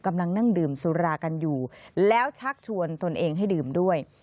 กำลังนั่งดื่มสุรากันอยู่แล้วชักชวนตนเองให้ดื่มด้วย